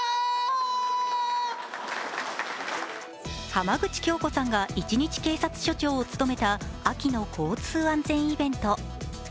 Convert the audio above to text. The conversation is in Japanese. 浜口京子さんが一日警察署長を務めた秋の交通安全イベント。